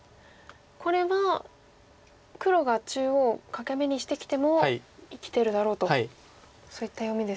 これは黒が中央欠け眼にしてきても生きてるだろうとそういった読みですか。